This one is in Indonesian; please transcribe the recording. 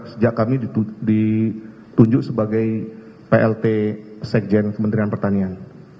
sejak kami ditunjuk sebagai plt sekjen kementerian pertanian